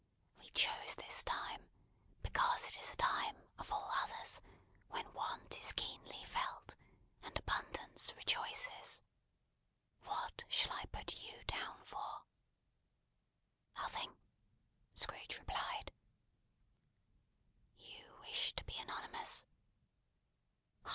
We choose this time, because it is a time, of all others, when Want is keenly felt, and Abundance rejoices. What shall I put you down for?" "Nothing!" Scrooge replied. "You wish to be anonymous?"